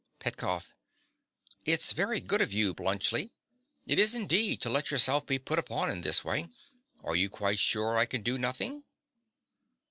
PETKOFF. It's very good of you, Bluntschli, it is indeed, to let yourself be put upon in this way. Now are you quite sure I can do nothing?